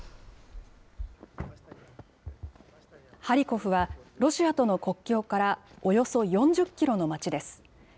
ハリコフはロシアとの国境からおよそ４０キロの町です。